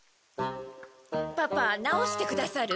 パパ直してくださる？